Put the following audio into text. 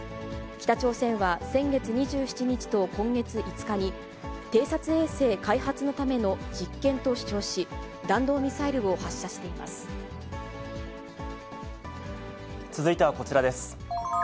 北朝鮮は先月２７日と今月５日に、偵察衛星開発のための実験と主張し、弾道ミサイルを発射していま続いてはこちらです。